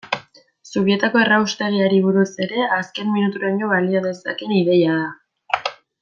Zubietako erraustegiari buruz ere, azken minuturaino balio dezakeen ideia da.